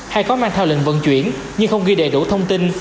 hay có mang theo lệnh vận chuyển nhưng không ghi đầy đủ thông tin